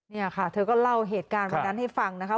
นี่ค่ะเธอก็เล่าเหตุการณ์วันนั้นให้ฟังนะคะ